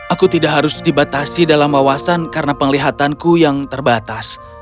aku tidak harus dibatasi dalam wawasan karena penglihatanku yang terbatas